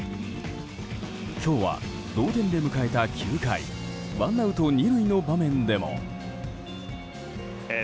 今日は同点で迎えた９回ワンアウト２塁の場面でも。